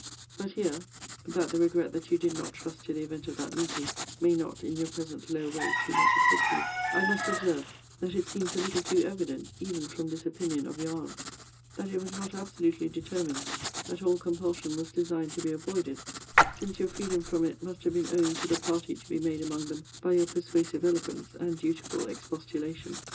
But here (that the regret that you did not trust to the event of that meeting, may not, in your present low way, too much afflict you) I must observe, that it seems a little too evident, even from this opinion of your aunt's, that it was not absolutely determined that all compulsion was designed to be avoided, since your freedom from it must have been owing to the party to be made among them by your persuasive eloquence and dutiful expostulation.